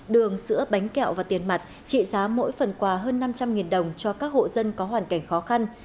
đường sữa bánh kẹo và tiền mặt trị giá mỗi phần quà hơn năm trăm linh đồng cho các hộ dân có hoàn cảnh khó khăn